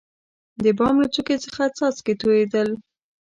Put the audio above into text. دبام له څوکي څخه څاڅکي تویدل.